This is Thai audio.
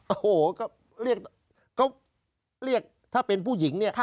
โอ้โฮเขาเรียกถ้าเป็นผู้หญิง